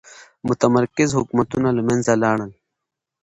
متمرکز حکومتونه له منځه لاړل.